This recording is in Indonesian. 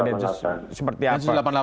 densus delapan puluh delapan ya